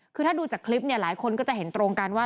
คือถ้าดูจากคลิปเนี่ยหลายคนก็จะเห็นตรงกันว่า